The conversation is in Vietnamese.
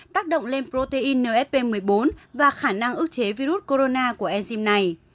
tác động lên protein nfp một mươi bốn và khả năng ước chế virus corona của egym này